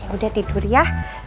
udah tidur ya